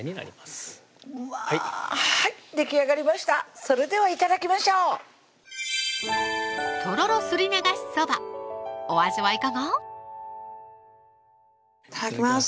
はいできあがりましたそれでは頂きましょういただきます